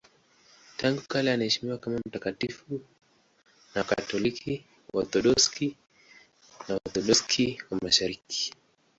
Tangu kale anaheshimiwa kama mtakatifu na Wakatoliki, Waorthodoksi na Waorthodoksi wa Mashariki.